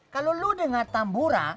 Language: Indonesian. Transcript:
kalo lu denger tambura